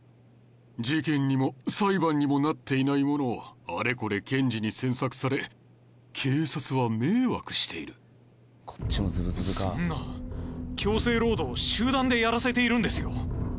事件にも裁判にもなっていないものをあれこれ検事に詮索され警察は迷惑しているそんな強制労働を集団でやらせているんですよ？